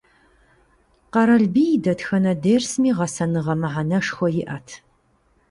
Къэралбий и дэтхэнэ дерсми гъэсэныгъэ мыхьэнэшхуэ иӀэт.